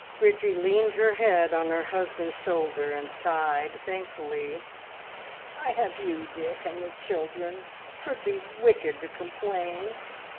Bridgie leaned her head on her husband's shoulder and sighed thankfully. "I have you, Dick, and the children! 'Twould be wicked to complain."